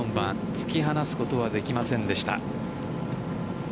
突き放すことはできませんでした。